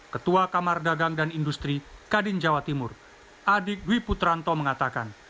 ketua kamar dagang dan industri kadin jawa timur adik dwi putranto mengatakan